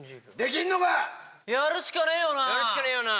やるしかねぇよな！